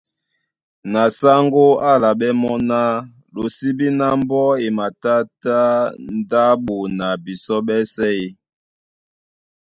Na sáŋgó á álaɓɛ́ mɔ́ ná:Lo sí bí ná mbɔ́ e matátá ndáɓo na bisɔ́ ɓɛ́sɛ̄ ē?